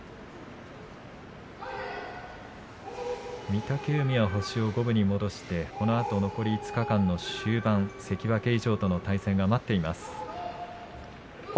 御嶽海は星を五分に戻してこのあと残り５日間の終盤関脇以上との対戦が待っています。